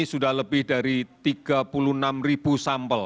sudah lebih dari tiga puluh enam ribu sampel